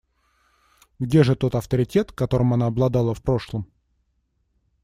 Где же тот авторитет, которым она обладала в прошлом?